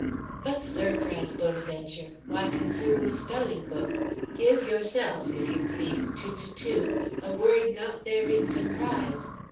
"But, sir," cries Bonaventure, "why consume the spelling book? Give, yourself, if you please, to Toutou, a word not therein comprise'."